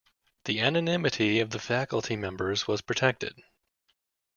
The anonymity of the faculty members was protected.